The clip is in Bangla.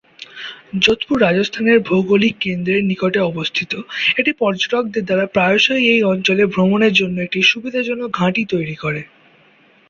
যোধপুর রাজস্থান রাজ্যের ভৌগোলিক কেন্দ্রের নিকটে অবস্থিত, এটি পর্যটকদের দ্বারা প্রায়শই এই অঞ্চলে ভ্রমণের জন্য একটি সুবিধাজনক ঘাঁটি তৈরি করে।